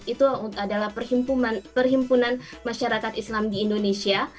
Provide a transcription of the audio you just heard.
itu adalah perhimpunan masyarakat islam di indonesia